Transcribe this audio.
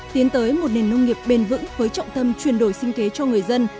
tiến tới một nền nông nghiệp bền vững với trọng tâm chuyển đổi sinh kế cho người dân